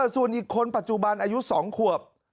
ส่วนอีกคนปัจจุบันอายุ๒ขวบ